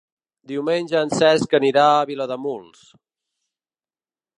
Diumenge en Cesc anirà a Vilademuls.